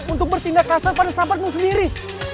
untuk bertindak kasar pada sahabatmu sendiri